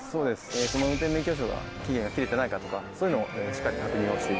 その運転免許証が期限が切れてないかとかそういうのをしっかり確認をしています。